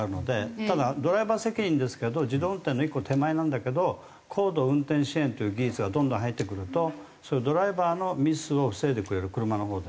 ただドライバー責任ですけど自動運転の１個手前なんだけど高度運転支援という技術がどんどん入ってくるとそういうドライバーのミスを防いでくれる車のほうで。